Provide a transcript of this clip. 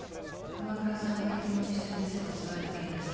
熊倉さんがケツ持ちしてる店が襲われた件です。